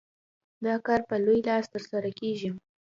دا کار په لوی لاس ترسره کېږي.